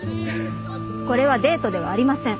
これはデートではありません。